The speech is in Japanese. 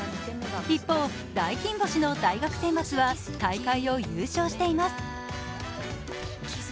一方、大金星の大学選抜は大会を優勝しています。